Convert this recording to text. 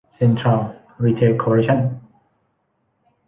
เซ็นทรัล รีเทล คอร์ปอเรชั่น